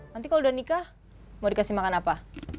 nanti kalau udah nikah mau dikasih makan apa